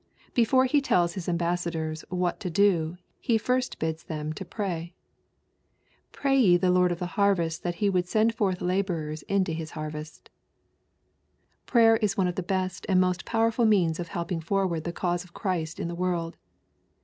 Before He tells His ambassadors what to do, He first bids them to pray. " Pray ye the Lord of the harvest that He would send forth laborers into his harvest." Prayer is one of the best and most powerful means of helping forward the cause of Christ in the world.